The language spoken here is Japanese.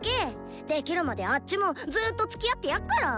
できるまであッチもずっとつきあってやっから！